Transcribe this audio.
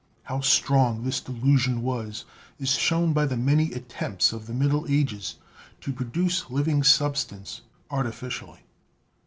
How strong this de lusion was is shown by the many attempts of the middle ages to produce living substance artificially.